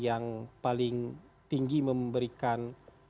yang paling tinggi memberikan